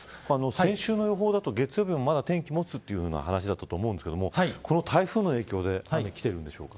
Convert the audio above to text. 先週の予報だと月曜日も、まだ天気はもつという話だったと思いますが台風の影響できているんでしょうか。